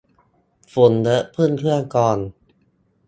ฝุ่นเยอะพึ่งเครื่องกรอง